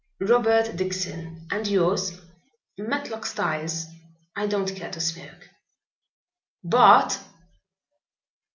"Robert Dixon. And yours?" "Matlock Styles. I don't care to smoke." "Bart!"